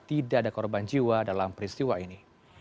tidak ada korban jiwa dalam peristiwa ini